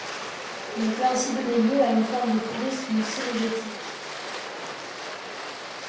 Il peut ainsi donner lieu à une forme de tourisme cynégétique.